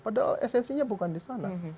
padahal esensinya bukan di sana